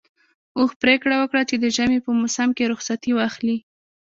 اوښ پرېکړه وکړه چې د ژمي په موسم کې رخصتي واخلي.